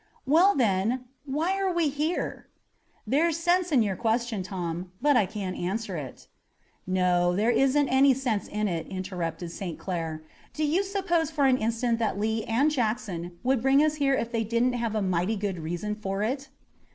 "Well, then, why are we here?" "There's sense in your question, Tom, but I can't answer it." "No, there isn't any sense in it," interrupted St. Clair. "Do you suppose for an instant that Lee and Jackson would bring us here if they didn't have a mighty good reason for it?"